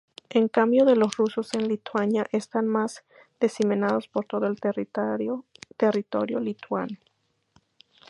En cambio los rusos en Lituania están más diseminados por todo el territorio lituano.